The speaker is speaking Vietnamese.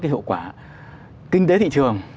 cái hiệu quả kinh tế thị trường